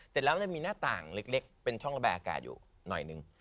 เสร็จแล้วมันจะมีหน้าต่างเล็กเป็นช่องระบายอากาศอยู่หน่อยนึง